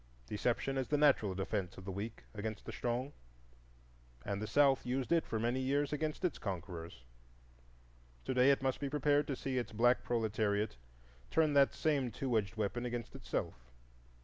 Deception is the natural defence of the weak against the strong, and the South used it for many years against its conquerors; to day it must be prepared to see its black proletariat turn that same two edged weapon against itself.